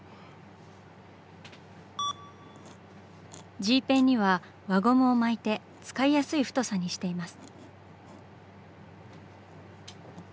Ｇペンには輪ゴムを巻いて使いやすい太さにしています。